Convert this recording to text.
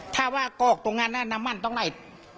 ถ้าว่ากอกตรงนั้นน้ำมันต้องไหล